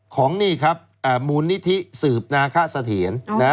ของมูลนิธิสืบนาคสะเถียน